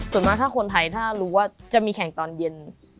ส่วนมากถ้าคนไทยถ้ารู้ว่าจะมีแข่งตอนเย็น